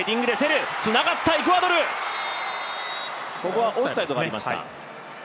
ここはオフサイドがありました。